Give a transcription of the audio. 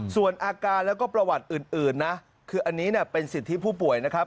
ส่วนอาการแล้วก็ประวัติอื่นนะคืออันนี้เป็นสิทธิผู้ป่วยนะครับ